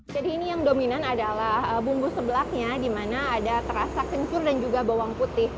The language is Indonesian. jadi ini yang dominan adalah bumbu seblaknya di mana ada terasa kencur dan juga bawang putih